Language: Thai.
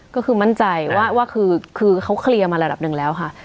ก็คือมั่นใจว่าคือเขาเคลียร์มาระดับหนึ่งแล้วค่ะ